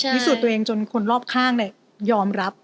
พิสูจน์ตัวเองจนคนรอบข้างยอมรับ